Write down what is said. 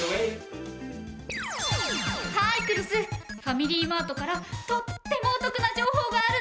ファミリーマートからとってもお得な情報があるの！